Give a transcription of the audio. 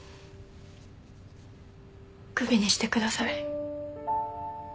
首にしてください。